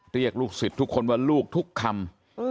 เรียกลูกศิษย์ทุกคนว่าลูกทุกคำ